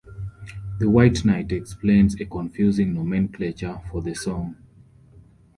The White Knight explains a confusing nomenclature for the song.